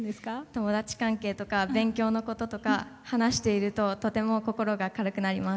友達関係とか勉強のこととか話しているととても心が軽くなります。